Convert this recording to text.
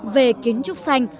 về kiến trúc xanh